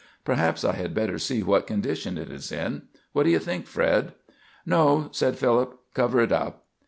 Perhaps I had better see what condition it is in. What do you think, Fred?" "No," said Philip; "cover it up."